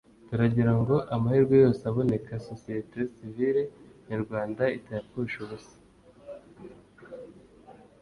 turagira ngo amahirwe yose aboneka Sosiyete Sivile Nyarwanda itayapfusha ubusa